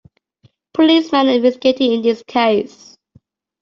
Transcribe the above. Policemen are investigating in this case.